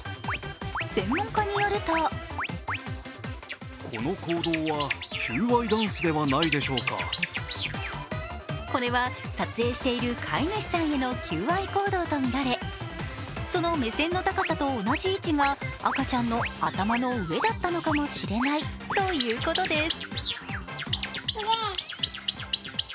専門家によるとこれは、撮影している飼い主さんへの求愛行動とみられ、その目線の高さと同じ位置が赤ちゃんの頭の上だったのかもしれないということです。